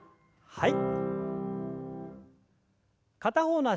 はい。